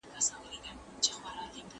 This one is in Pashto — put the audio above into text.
د فراغت سند بې هدفه نه تعقیبیږي.